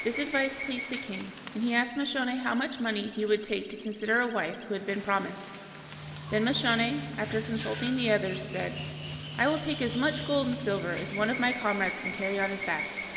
This advice pleased the king, and he asked Moscione how much money he would take to consider a wife who had been promised. Then Moscione, after consulting the others, said: "I will take as much gold and silver as one of my comrades can carry on his back."